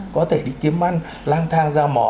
có thể đi kiếm ăn lang thang ra mò